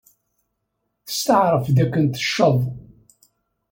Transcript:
Testeɛṛef dakken tecceḍ.